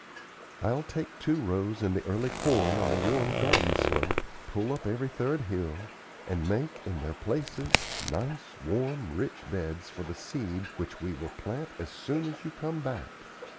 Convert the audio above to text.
I'll take two rows in the early corn on the warm garden slope, pull up every third hill, and make, in their places, nice, warm, rich beds for the seed which we will plant as soon as you come back.